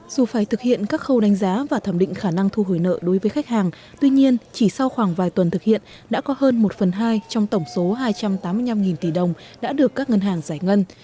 dù phải thực hiện các khâu đánh giá và thẩm định khả năng thu hồi nợ đối với khách hàng tuy nhiên chỉ sau khoảng vài tuần thực hiện đã có hơn một phần hai trong tổng số hai trăm tám mươi năm tỷ đồng đã được các ngân hàng giải ngân